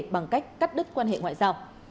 bằng cách cắt đứt quan hệ ngoại giao